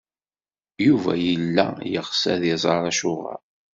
Yuba yella yeɣs ad iẓer Acuɣer.